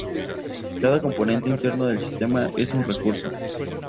Cada componente interno del sistema es un recurso.